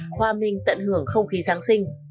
khoa minh tận hưởng không khí giáng sinh